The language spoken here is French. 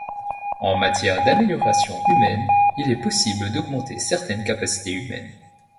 En matière d'amélioration humaine, il est possible d'augmenter certaines capacités humaines.